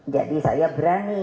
jadi saya berani